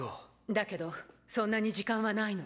だけどそんなに時間はないの。